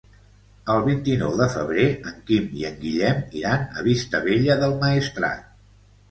El vint-i-nou de febrer en Quim i en Guillem iran a Vistabella del Maestrat.